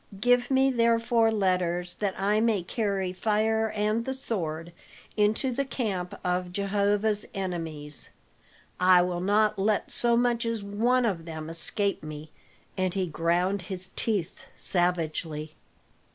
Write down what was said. Give me therefore letters that I may carry fire and the sword into the camp of Jehovah's enemies. I will not let so much as one of them escape me," and he ground his teeth savagely.